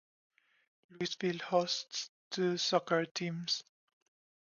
Louisville hosts two soccer teams.